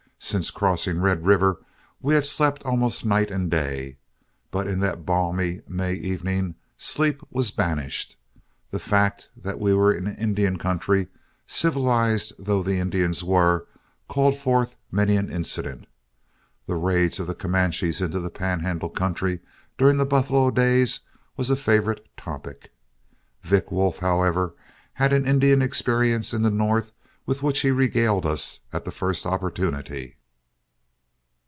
Since crossing Red River, we had slept almost night and day, but in that balmy May evening sleep was banished. The fact that we were in the Indian country, civilized though the Indians were, called forth many an incident. The raids of the Comanches into the Panhandle country during the buffalo days was a favorite topic. Vick Wolf, however, had had an Indian experience in the North with which he regaled us at the first opportunity.